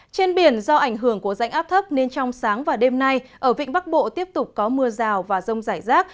trên biển do ảnh hưởng của rãnh áp thấp nên trong sáng và đêm nay ở vịnh bắc bộ tiếp tục có mưa rào và rông rải rác